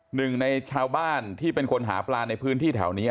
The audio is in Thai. หนึ่งในชาวบ้านที่เป็นคนหาปลาในพื้นที่แถวนี้